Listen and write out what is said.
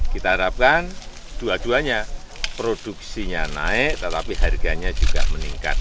kita harapkan dua duanya produksinya naik tetapi harganya juga meningkat